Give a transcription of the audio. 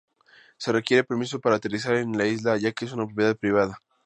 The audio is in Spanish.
Se requiere permiso para aterrizar en la isla, ya que es una propiedad privada.